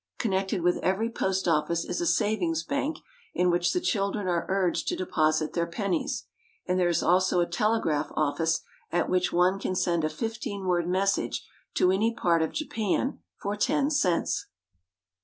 Connected with every post office is a savings bank in which the children are urged to deposit their pennies ; and there is also a telegraph office at which one can send a fifteen word message to any part of Japan for ten cents.